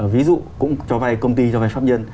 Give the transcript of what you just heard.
ví dụ cũng cho vay công ty cho vay pháp nhân